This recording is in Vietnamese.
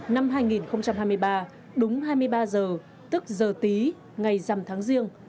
năm hai nghìn hai mươi ba đúng hai mươi ba giờ tức giờ tí ngày dằm tháng riêng